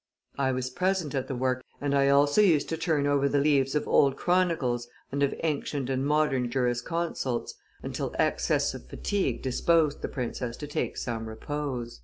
I was present at the work, and I also used to turn over the leaves of old chronicles and of ancient and modern jurisconsults, until excess of fatigue disposed the princess to take some repose."